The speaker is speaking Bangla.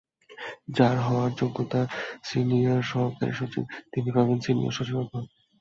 যাঁর হওয়ার যোগ্যতা সিনিয়র সহকারী সচিব, তিনি পাবেন সিনিয়র সচিবের পদ।